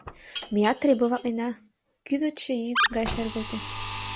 — Меат требоватлена! — кӱдырчӧ йӱк гай шергылте.